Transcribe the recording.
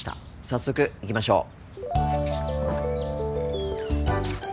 早速行きましょう。